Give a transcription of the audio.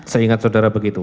seingat saudara begitu